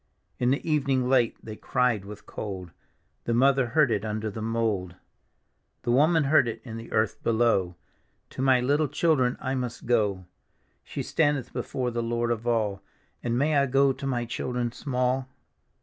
In the evning late they cried with cold, The mother heard it under the mould. The woman heard it in the earth below: " To my little children I must go." She standeth before the Lord of all: " And may I go to my children small?